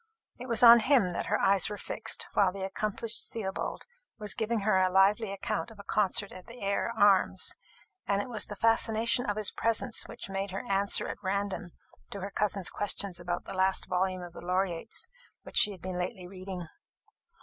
It was on him that her eyes were fixed while the accomplished Theobald was giving her a lively account of a concert at the Eyre Arms; and it was the fascination of his presence which made her answer at random to her cousin's questions about the last volume of the Laureate's, which she had been lately reading.